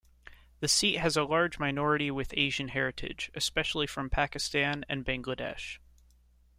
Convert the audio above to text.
The seat has a large minority with Asian heritage, especially from Pakistan and Bangladesh.